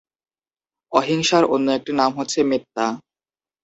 অহিংসার অন্য একটি নাম হচ্ছে মেত্তা।